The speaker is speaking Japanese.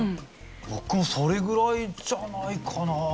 僕もそれぐらいじゃないかなとは。